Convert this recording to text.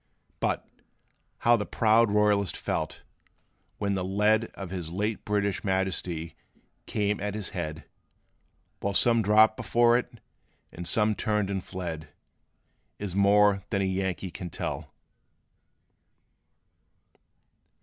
But, how the proud royalist felt, when the lead Of his late British Majesty came at his head, While some dropped before it, and some turned and fled, Is more than a Yankee can tell.